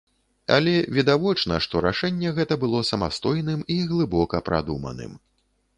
Але відавочна, што рашэнне гэта было самастойным і глыбока прадуманым.